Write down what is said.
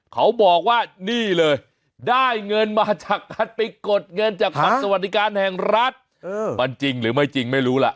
เขาบอกว่านี่เลยได้เงินมาจากการไปกดเงินจากบัตรสวัสดิการแห่งรัฐมันจริงหรือไม่จริงไม่รู้ล่ะ